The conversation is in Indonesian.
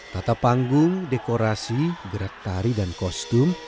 tata panggung dekorasi gerak tari dan kostum